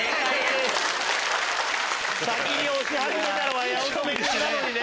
先に押し始めたのは八乙女君なのにね。